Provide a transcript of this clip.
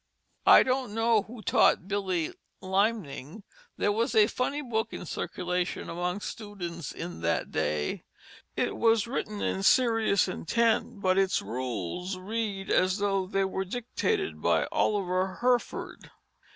[Illustration: Gore Children, 1754] I don't know who taught Billey limning. There was a funny book in circulation among students in that day. It was written in serious intent, but its rules read as though they were dictated by Oliver Herford.